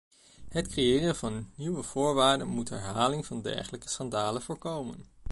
Het creëren van nieuwe voorwaarden moet herhaling van dergelijke schandalen voorkomen.